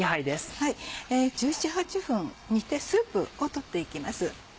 １７１８分煮てスープを取って行きます。